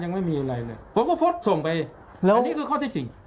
ยังไม่มีอะไรเลยผมก็โพสต์ส่งไปแล้วอันนี้คือข้อที่จริง